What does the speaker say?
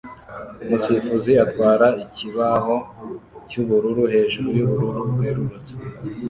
Umusifuzi atwara ikibaho cyubururu hejuru yubururu bwerurutse